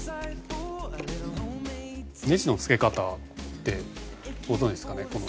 ネジの付け方ってご存じですかね？